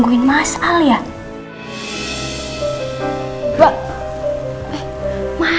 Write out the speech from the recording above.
aku jalan banget